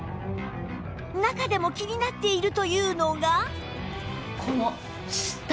中でも気になっているというのが